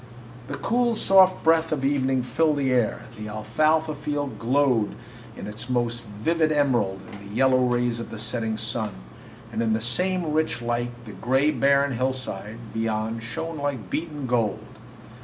The cool, soft breath of evening filled the air, the alfalfa field glowed its most vivid emerald in the yellow rays of the setting sun, and in the same rich light the gray, barren hillside beyond shone like beaten gold.